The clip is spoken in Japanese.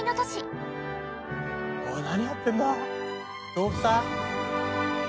どうした？